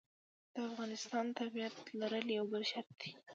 د افغانستان تابعیت لرل یو بل شرط دی.